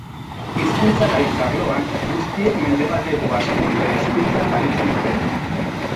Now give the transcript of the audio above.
Hizkuntzalaritza arloan, guztiek mendebaldeko basamortuaren hizkuntzaz aritzen dute.